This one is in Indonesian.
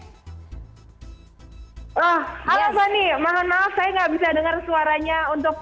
halo sonny mohon maaf saya enggak bisa dengar suaranya untuk